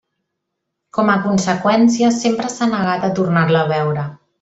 Com a conseqüència, sempre s'ha negat a tornar-la a veure.